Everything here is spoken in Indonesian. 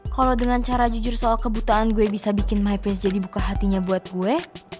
kalau dengan cara jujur soal kebutaan gue bisa bikin my price jadi buka hatinya buat gue